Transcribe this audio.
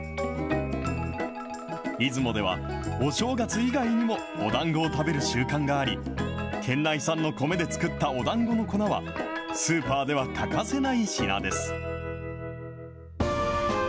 出雲では、お正月以外にも、おだんごを食べる習慣があり、県内産の米で作ったおだんごの粉は、スーパーでは欠かせない品です。